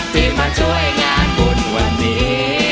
ที่มาช่วยงานบุญวันนี้